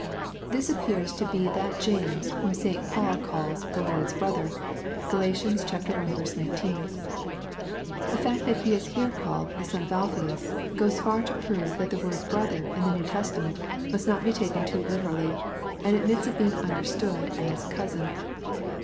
] This appears to be that James whom St. Paul calls the " Lord's brother." (GaL i. 19.) The fact that he is here called the " son of Alphseus," goes far to prove that the word "brother" in the New Testament must not be taken too literally, and admits of being understood as " cousin."